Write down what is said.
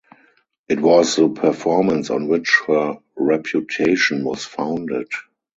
It was the performance on which her reputation was founded.